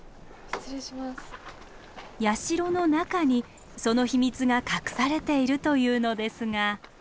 社の中にその秘密が隠されているというのですが。